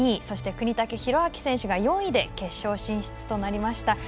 そして、國武大晃選手が４位で決勝進出となりました。